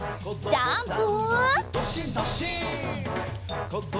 ジャンプ！